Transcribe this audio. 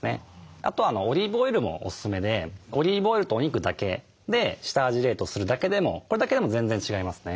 あとオリーブオイルもおすすめでオリーブオイルとお肉だけで下味冷凍するだけでもこれだけでも全然違いますね。